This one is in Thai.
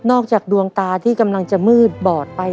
จากดวงตาที่กำลังจะมืดบอดไป